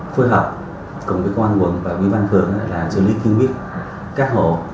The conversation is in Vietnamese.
phối hợp cùng với công an quận và với văn phường là xử lý kiên quyết các hộ